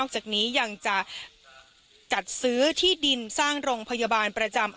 จากนี้ยังจะจัดซื้อที่ดินสร้างโรงพยาบาลประจำ